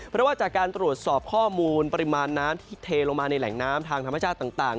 เพราะว่าจากการตรวจสอบข้อมูลปริมาณน้ำที่เทลงมาในแหล่งน้ำทางธรรมชาติต่าง